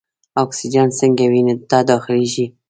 اکسیجن څنګه وینې ته داخلیږي؟